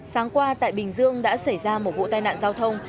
sáng qua tại bình dương đã xảy ra một vụ tai nạn giao thông